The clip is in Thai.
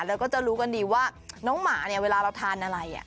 แล้วก็จะรู้กันดีว่าน้องหมาเนี่ยเวลาเราทานอะไร